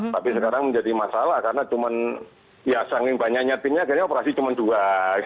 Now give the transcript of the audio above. tapi sekarang menjadi masalah karena cuma ya sanging banyaknya timnya akhirnya operasi cuma dua